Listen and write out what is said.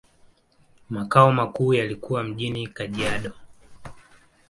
Makao makuu yalikuwa mjini Kajiado.